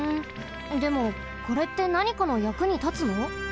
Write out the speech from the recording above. でもこれってなにかのやくにたつの？